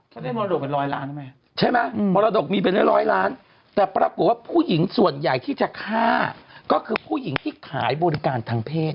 เขาได้มรดกเป็นร้อยล้านใช่ไหมใช่ไหมมรดกมีเป็นร้อยล้านแต่ปรากฏว่าผู้หญิงส่วนใหญ่ที่จะฆ่าก็คือผู้หญิงที่ขายบริการทางเพศ